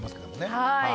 はい。